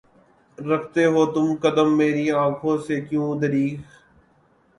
رکھتے ہو تم قدم میری آنکھوں سے کیوں دریغ؟